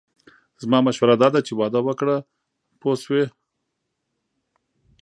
زما مشوره داده چې واده وکړه پوه شوې!.